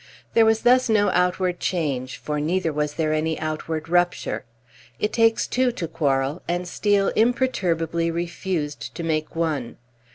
There was thus no outward change, for neither was there any outward rupture. It takes two to quarrel, and Steel imperturbably refused to make one.